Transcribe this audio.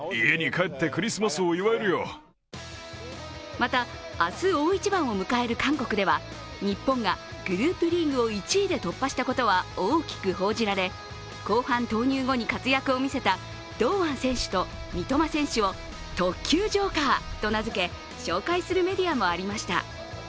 また、明日大一番を迎える韓国では、日本がグループリーグを１位で突破したことは大きく報じられ、後半投入後に活躍を見せた堂安選手と三笘選手を特級ジョーカーと名付け紹介するメディアもありました。